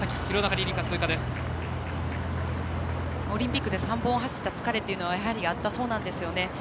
オリンピックで３本走った疲れっていうのはやはりあったそうなんですよね。